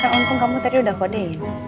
saya untung kamu tadi udah kode